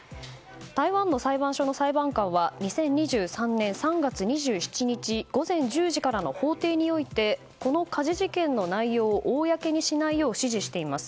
台湾の裁判所の裁判官は２０２３年３月２７日午前１０時からの法廷においてこの家事事件の内容を公にしないよう指示しています。